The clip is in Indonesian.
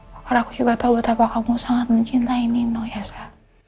karena aku juga tau betapa kamu sangat mencintai nino ya sa